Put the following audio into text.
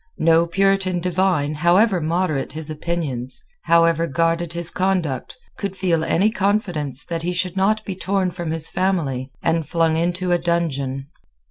No Puritan divine, however moderate his opinions, however guarded his conduct, could feel any confidence that he should not be torn from his family and flung into a dungeon.